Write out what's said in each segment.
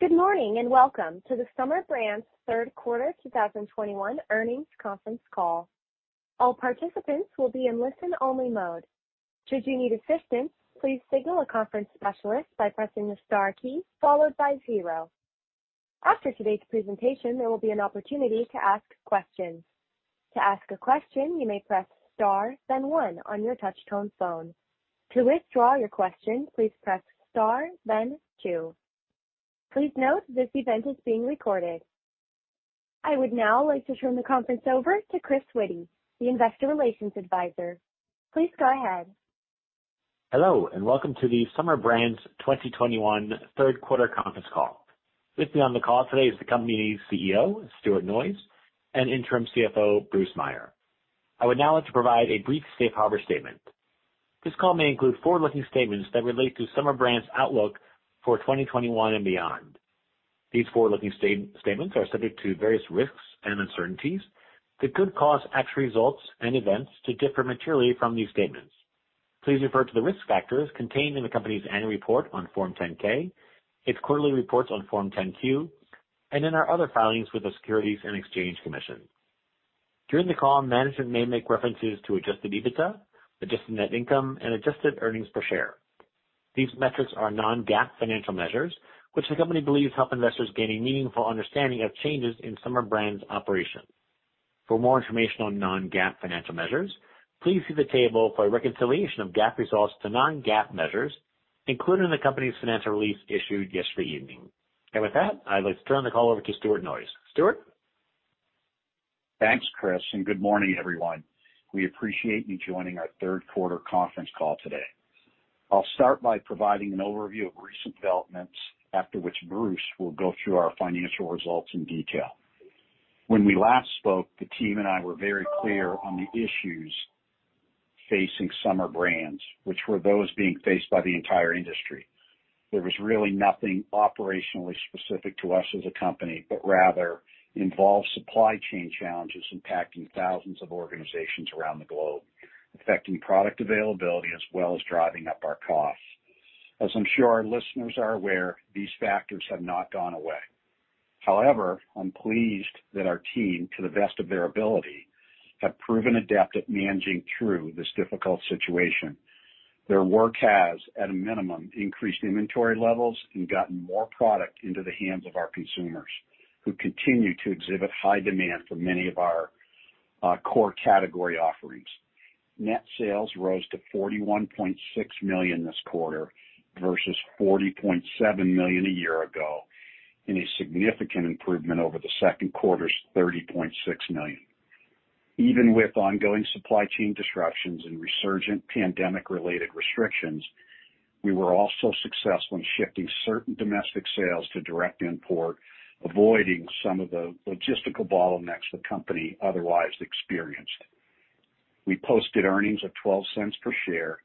Good morning, and welcome to the SUMR Brands Q3 2021 earnings conference call. All participants will be in listen-only mode. Should you need assistance, please signal a conference specialist by pressing the star key followed by zero. After today's presentation, there will be an opportunity to ask questions. To ask a question, you may press star then one on your touchtone phone. To withdraw your question, please press star then two. Please note this event is being recorded. I would now like to turn the conference over to Chris Witty, the Investor Relations Adviser. Please go ahead. Hello, and welcome to the SUMR Brands 2021 Q3 conference call. With me on the call today is the company's CEO, Stuart Noyes, and interim CFO, Bruce Meier. I would now like to provide a brief safe harbor statement. This call may include forward-looking statements that relate to SUMR Brands' outlook for 2021 and beyond. These forward-looking statements are subject to various risks and uncertainties that could cause actual results and events to differ materially from these statements. Please refer to the risk factors contained in the company's annual report on Form 10-K, its quarterly reports on Form 10-Q, and in our other filings with the Securities and Exchange Commission. During the call, management may make references to adjusted EBITDA, adjusted net income, and adjusted earnings per share. These metrics are non-GAAP financial measures, which the company believes help investors gain a meaningful understanding of changes in SUMR Brands' operations. For more information on non-GAAP financial measures, please see the table for a reconciliation of GAAP results to non-GAAP measures included in the company's financial release issued yesterday evening. With that, I'd like to turn the call over to Stuart Noyes. Stuart? Thanks, Chris, and good morning, everyone. We appreciate you joining our Q3 conference call today. I'll start by providing an overview of recent developments, after which Bruce will go through our financial results in detail. When we last spoke, the team and I were very clear on the issues facing SUMR Brands, which were those being faced by the entire industry. There was really nothing operationally specific to us as a company, but rather involved supply chain challenges impacting thousands of organizations around the globe, affecting product availability as well as driving up our costs. As I'm sure our listeners are aware, these factors have not gone away. However, I'm pleased that our team, to the best of their ability, have proven adept at managing through this difficult situation. Their work has, at a minimum, increased inventory levels and gotten more product into the hands of our consumers, who continue to exhibit high demand for many of our core category offerings. Net sales rose to $41.6 million this quarter versus $40.7 million a year ago in a significant improvement over the second quarter's $30.6 million. Even with ongoing supply chain disruptions and resurgent pandemic-related restrictions, we were also successful in shifting certain domestic sales to direct import, avoiding some of the logistical bottlenecks the company otherwise experienced. We posted earnings of $0.12 per share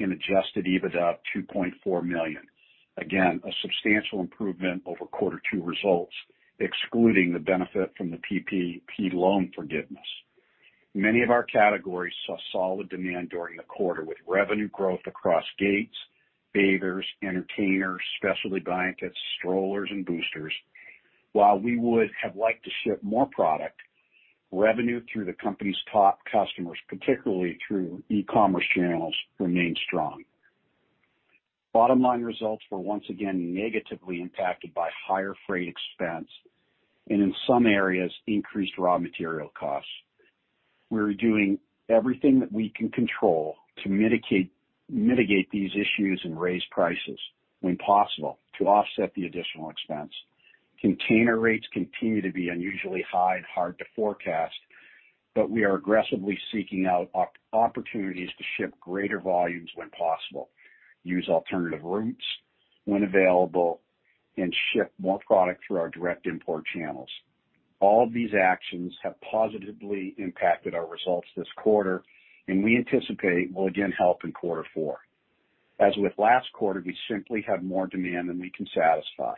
and adjusted EBITDA of $2.4 million. Again, a substantial improvement over Q2 results, excluding the benefit from the PPP loan forgiveness. Many of our categories saw solid demand during the quarter with revenue growth across gates, bathers, entertainers, specialty blankets, strollers and boosters. While we would have liked to ship more product, revenue through the company's top customers, particularly through e-commerce channels, remained strong. Bottom-line results were once again negatively impacted by higher freight expense and in some areas, increased raw material costs. We're doing everything that we can control to mitigate these issues and raise prices when possible to offset the additional expense. Container rates continue to be unusually high and hard to forecast, but we are aggressively seeking out opportunities to ship greater volumes when possible, use alternative routes when available, and ship more product through our direct import channels. All of these actions have positively impacted our results this quarter and we anticipate will again help in quarter four. As with last quarter, we simply have more demand than we can satisfy,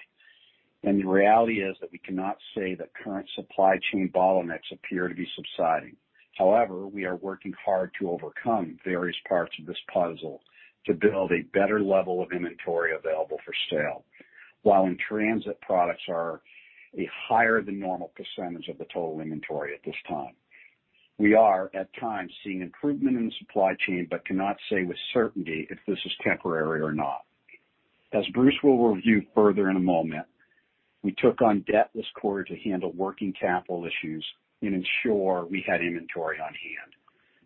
and the reality is that we cannot say that current supply chain bottlenecks appear to be subsiding. However, we are working hard to overcome various parts of this puzzle to build a better level of inventory available for sale while in-transit products are a higher than normal percentage of the total inventory at this time. We are, at times, seeing improvement in the supply chain, but cannot say with certainty if this is temporary or not. As Bruce will review further in a moment, we took on debt this quarter to handle working capital issues and ensure we had inventory on hand.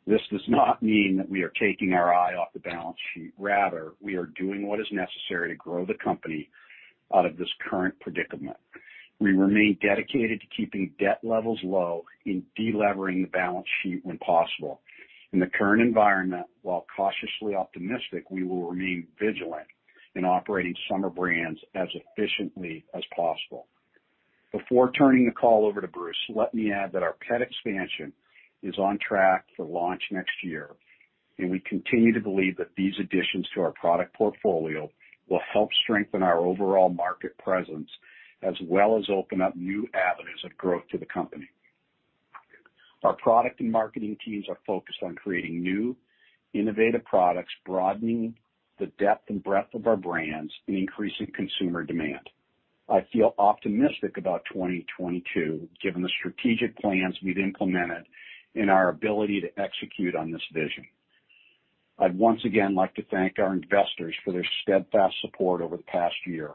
This does not mean that we are taking our eye off the balance sheet. Rather, we are doing what is necessary to grow the company out of this current predicament. We remain dedicated to keeping debt levels low and de-levering the balance sheet when possible. In the current environment, while cautiously optimistic, we will remain vigilant in operating SUMR Brands as efficiently as possible. Before turning the call over to Bruce, let me add that our pet expansion is on track for launch next year, and we continue to believe that these additions to our product portfolio will help strengthen our overall market presence as well as open up new avenues of growth to the company. Our product and marketing teams are focused on creating new innovative products, broadening the depth and breadth of our brands and increasing consumer demand. I feel optimistic about 2022, given the strategic plans we've implemented and our ability to execute on this vision. I'd once again like to thank our investors for their steadfast support over the past year.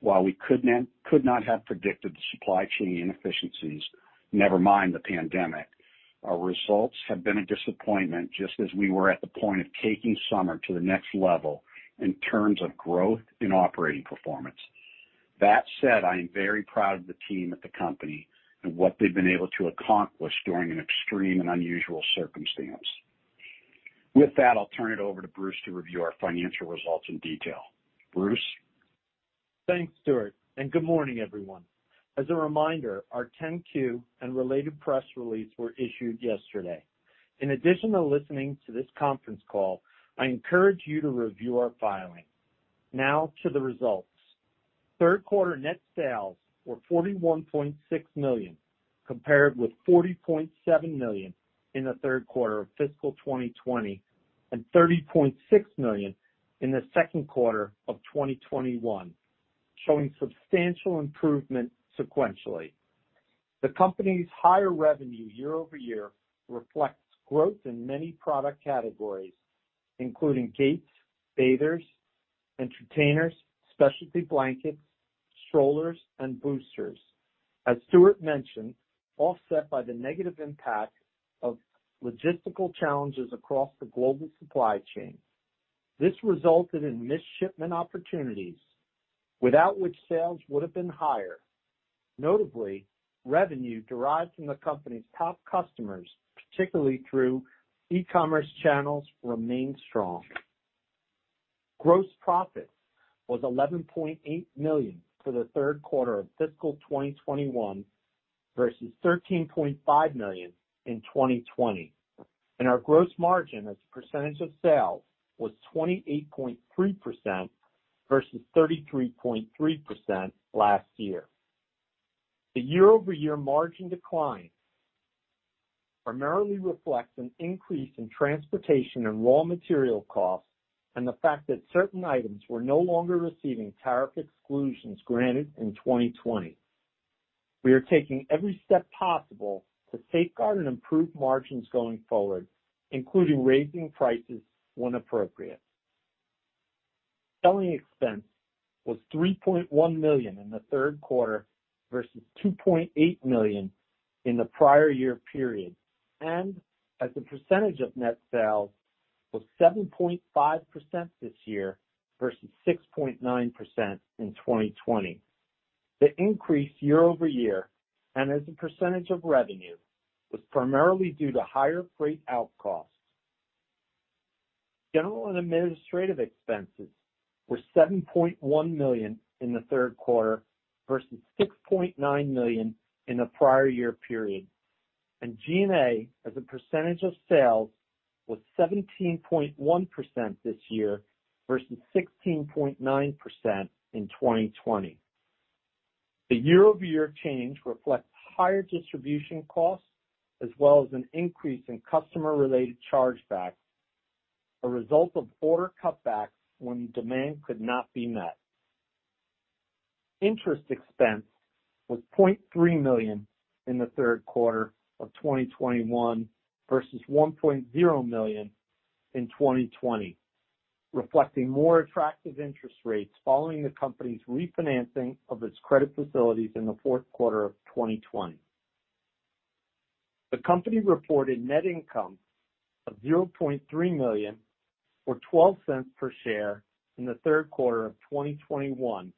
While we could not have predicted the supply chain inefficiencies, never mind the pandemic, our results have been a disappointment, just as we were at the point of taking Summer to the next level in terms of growth in operating performance. That said, I am very proud of the team at the company and what they've been able to accomplish during an extreme and unusual circumstance. With that, I'll turn it over to Bruce to review our financial results in detail. Bruce? Thanks, Stuart, and good morning, everyone. As a reminder, our 10-Q and related press release were issued yesterday. In addition to listening to this conference call, I encourage you to review our filing. Now to the results. Q3 net sales were $41.6 million, compared with $40.7 million in the Q3 of fiscal 2020 and $30.6 million in the Q2 of 2021, showing substantial improvement sequentially. The company's higher revenue year-over-year reflects growth in many product categories, including gates, bathers, entertainers, specialty blankets, strollers, and boosters, offset by the negative impact of logistical challenges across the global supply chain. This resulted in missed shipment opportunities without which sales would have been higher. Notably, revenue derived from the company's top customers, particularly through e-commerce channels, remained strong. Gross profit was $11.8 million for the Q3 of fiscal 2021 versus $13.5 million in 2020, and our gross margin as a percentage of sales was 28.3% versus 33.3% last year. The year-over-year margin decline primarily reflects an increase in transportation and raw material costs and the fact that certain items were no longer receiving tariff exclusions granted in 2020. We are taking every step possible to safeguard and improve margins going forward, including raising prices when appropriate. Selling expense was $3.1 million in the Q3 versus $2.8 million in the prior year period and as a percentage of net sales was 7.5% this year versus 6.9% in 2020. The increase year over year and as a percentage of revenue was primarily due to higher freight out costs. General and administrative expenses were $7.1 million in the Q3 versus $6.9 million in the prior year period, and G&A, as a percentage of sales, was 17.1% this year versus 16.9% in 2020. The year-over-year change reflects higher distribution costs as well as an increase in customer-related chargebacks, a result of order cutbacks when demand could not be met. Interest expense was $0.3 million in the Q3 of 2021 versus $1.0 million in 2020, reflecting more attractive interest rates following the company's refinancing of its credit facilities in the Q4 of 2020. The company reported net income of $0.3 million or $0.12 per share in the Q3 of 2021,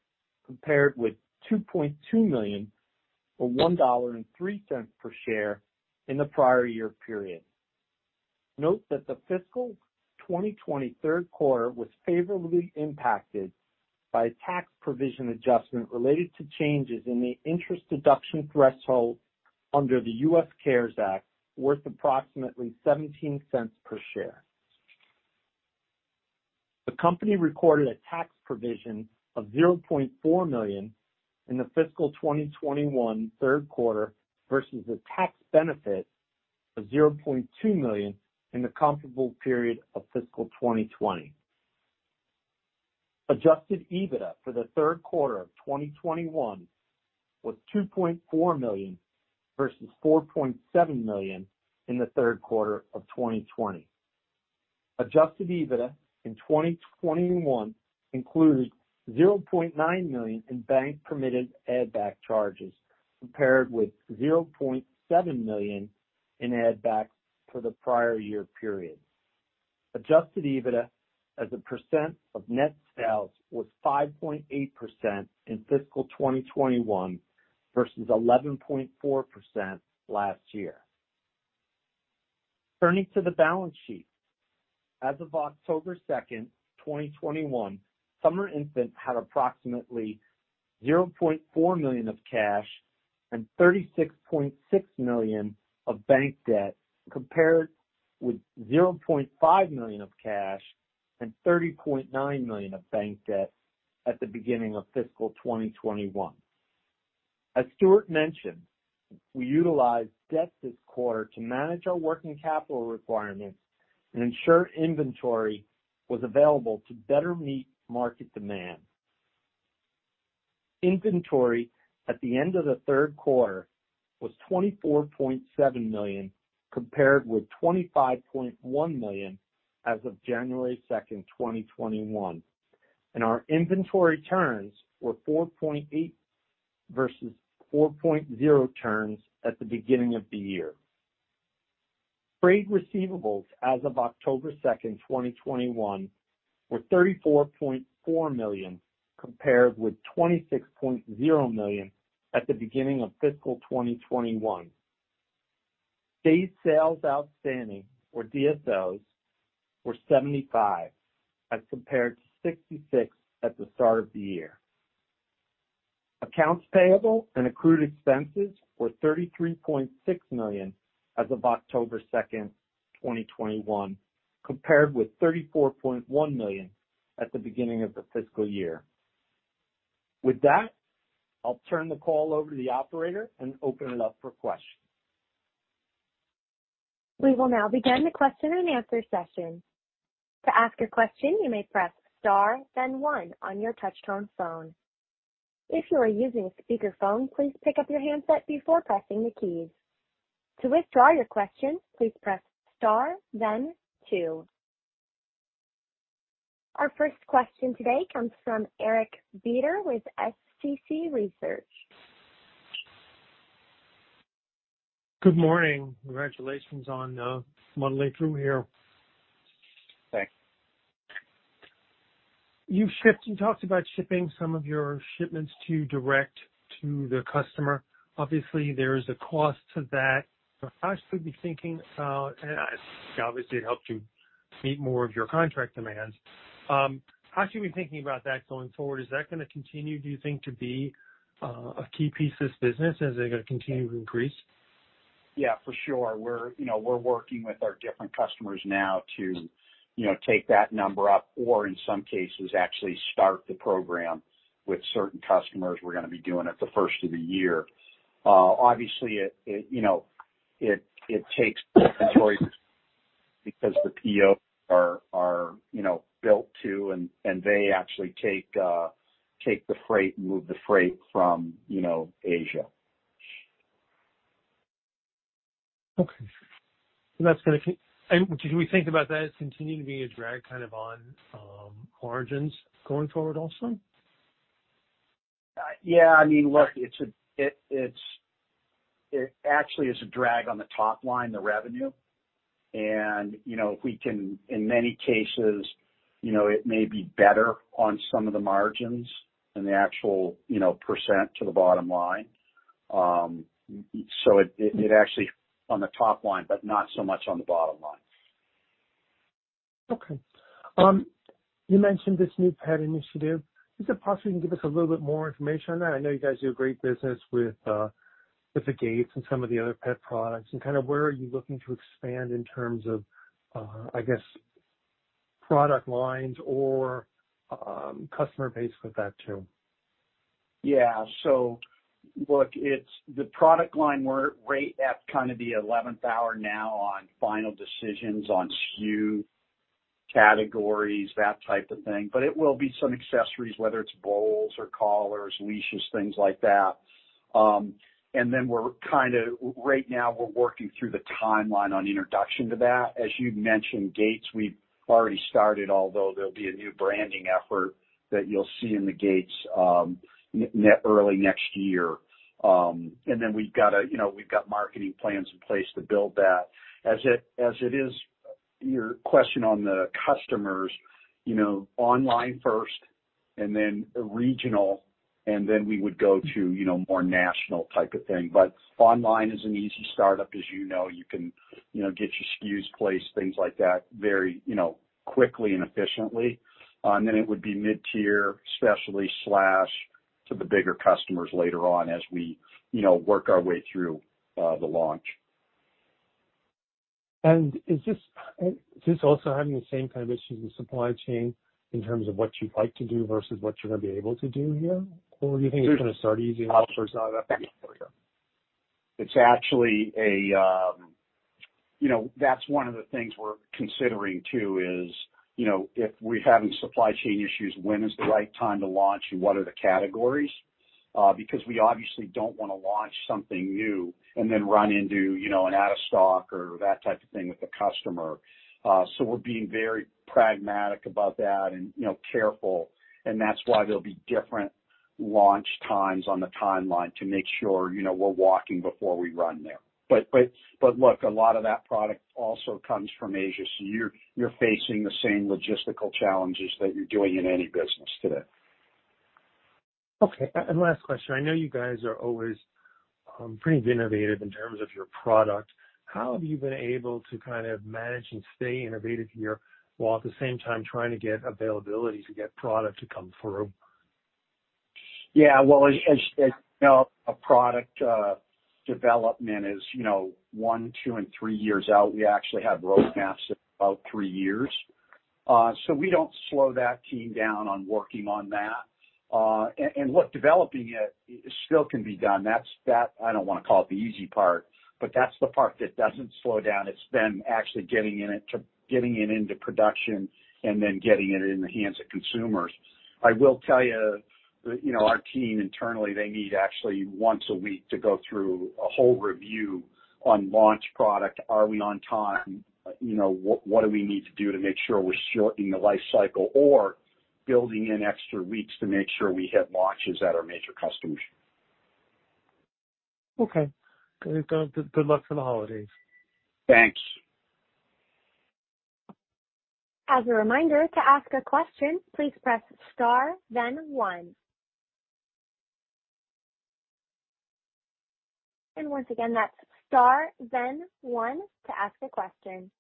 compared with $2.2 million or $1.03 per share in the prior year period. Note that the fiscal 2020 Q3 was favorably impacted by a tax provision adjustment related to changes in the interest deduction threshold under the CARES Act, worth approximately $0.17 per share. The company recorded a tax provision of $0.4 million in the fiscal 2021 Q3 versus a tax benefit of $0.2 million in the comparable period of fiscal 2020. Adjusted EBITDA for the Q3 of 2021 was $2.4 million versus $4.7 million in the Q3 of 2020. Adjusted EBITDA in 2021 included $0.9 million in bank permitted add back charges, compared with $0.7 million in add backs for the prior year period. Adjusted EBITDA as a percent of net sales was 5.8% in fiscal 2021 versus 11.4% last year. Turning to the balance sheet. As of October 2, 2021, Summer Infant had approximately $0.4 million of cash and $36.6 million of bank debt, compared with $0.5 million of cash and $30.9 million of bank debt. At the beginning of fiscal 2021. As Stuart mentioned, we utilized debt this quarter to manage our working capital requirements and ensure inventory was available to better meet market demand. Inventory at the end of the Q3 was $24.7 million, compared with $25.1 million as of January 2, 2021, and our inventory turns were 4.8 versus 4.0 turns at the beginning of the year. Freight receivables as of October 2, 2021 were $34.4 million, compared with $26.0 million at the beginning of fiscal 2021. Days sales outstanding or DSOs, were 75 as compared to 66 at the start of the year. Accounts payable and accrued expenses were $33.6 million as of October 2, 2021 compared with $34.1 million at the beginning of the fiscal year. With that, I'll turn the call over to the operator and open it up for questions. We will now begin the question-and-answer session. To ask a question, you may press star then one on your touchtone phone. If you are using a speakerphone, please pick up your handset before pressing the keys. To withdraw your question, please press star then two. Our first question today comes from Eric Beder with Small Cap Consumer Research. Good morning. Congratulations on muddling through here. Thanks. You've shipped and talked about shipping some of your shipments to direct to the customer. Obviously, there is a cost to that. How should we be thinking, and obviously it helps you meet more of your contract demands. How should we be thinking about that going forward? Is that gonna continue, do you think, to be a key piece of this business? Is it gonna continue to increase? Yeah, for sure. We're, you know, working with our different customers now to, you know, take that number up or in some cases actually start the program with certain customers. We're gonna be doing it the first of the year. Obviously it takes choices because the PO are built to and they actually take the freight and move the freight from, you know, Asia. Okay. Can we think about that as continuing to be a drag kind of on margins going forward also? Yeah, I mean, look it's actually a drag on the top line the revenue. You know, if we can in many cases you know it may be better on some of the margins than the actual, you know percent to the bottom line. It's actually on the top line, but not so much on the bottom line. Okay. You mentioned this new pet initiative. Is it possible you can give us a little bit more information on that? I know you guys do a great business with the gates and some of the other pet products and kind of where are you looking to expand in terms of I guess product lines or customer base with that too? Yeah. Look, it's the product line we're right at kinda the eleventh hour now on final decisions on SKU categories, that type of thing. It will be some accessories, whether it's bowls or collars, leashes, things like that. Then we're kinda right now working through the timeline on introduction to that. As you'd mentioned, gates, we've already started, although there'll be a new branding effort that you'll see in the gates, early next year. We've got, you know, marketing plans in place to build that. As it is, your question on the customers, you know, online first and then regional, and then we would go to, you know, more national type of thing. Online is an easy startup, as you know. You can, you know, get your SKUs placed, things like that very, you know, quickly and efficiently. It would be mid-tier specialty slash to the bigger customers later on as we, you know, work our way through the launch. Is this also having the same kind of issues with supply chain in terms of what you'd like to do versus what you're gonna be able to do here? Or do you think it's gonna start easier? It's actually, you know, that's one of the things we're considering too is, you know, if we're having supply chain issues, when is the right time to launch and what are the categories? We're being very pragmatic about that and, you know, careful, and that's why there'll be different launch times on the timeline to make sure, you know, we're walking before we run there. Look, a lot of that product also comes from Asia, so you're facing the same logistical challenges that you're doing in any business today. Okay. Last question. I know you guys are always pretty innovative in terms of your product. How have you been able to kind of manage and stay innovative here, while at the same time trying to get availability to get product to come through? Yeah, well, as you know, a product development is, you know one, two and three years out. We actually have roadmaps at about three years. We don't slow that team down on working on that. Look, developing it still can be done. That's, that I don't wanna call it the easy part, but that's the part that doesn't slow down. It's them actually getting it into production and then getting it in the hands of consumers. I will tell you know, our team internally, they meet actually once a week to go through a whole review on launch product. Are we on time? You know, what do we need to do to make sure we're shortening the life cycle or building in extra weeks to make sure we hit launches at our major customers? Okay. Good luck for the holidays. Thanks. As a reminder, to ask a question, please press star then one. Once again, that's star then one to ask a question.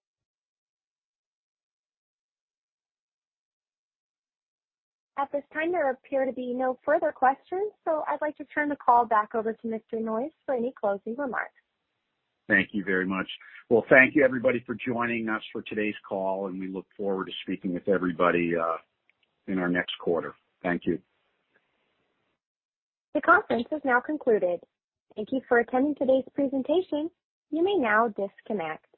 At this time, there appear to be no further questions, so I'd like to turn the call back over to Mr. Noyes for any closing remarks. Thank you very much. Well, thank you everybody for joining us for today's call, and we look forward to speaking with everybody, in our next quarter. Thank you. The conference has now concluded. Thank you for attending today's presentation. You may now disconnect.